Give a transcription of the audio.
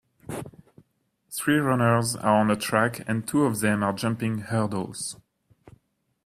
Three runners are on a track and two of them are jumping hurdles.